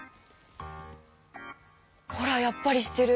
ほらやっぱりしてる！